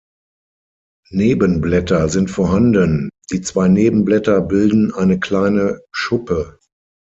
Nebenblätter sind vorhanden, die zwei Nebenblätter bilden eine kleine Schuppe.